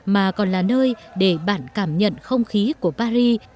mà còn là nơi để bạn cảm nhận không khí của paris